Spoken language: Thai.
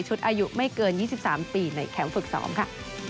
ชุดอายุไม่เกิน๒๓ปีในแขมฝึกสอมค่ะ